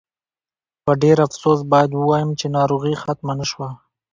په ډېر افسوس باید ووایم چې ناروغي ختمه نه شوه.